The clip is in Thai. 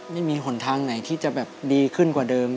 ไม่มีหนทางไหนที่จะแบบดีขึ้นกว่าเดิม